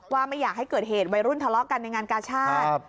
ไม่อยากให้เกิดเหตุวัยรุ่นทะเลาะกันในงานกาชาติ